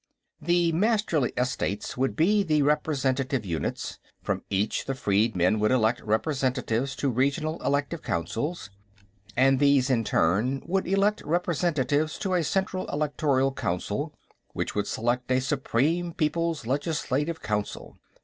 The Masterly estates would be the representative units; from each, the freedmen would elect representatives to regional elective councils, and these in turn would elect representatives to a central electoral council which would elect a Supreme People's Legislative Council.